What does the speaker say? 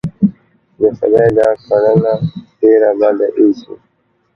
د خدای دا کړنه ډېره بده اېسي.